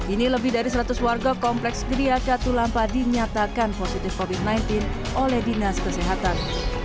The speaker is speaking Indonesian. ini lebih dari seratus warga kompleks geria katulampa dinyatakan positif covid sembilan belas oleh dinas kesehatan